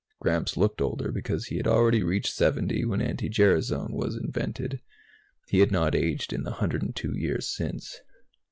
Gramps looked older because he had already reached 70 when anti gerasone was invented. He had not aged in the 102 years since.